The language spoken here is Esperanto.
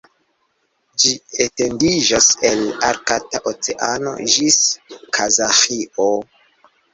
Ĝi etendiĝas el Arkta Oceano ĝis Kazaĥio.